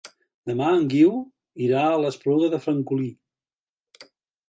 Demà en Guiu irà a l'Espluga de Francolí.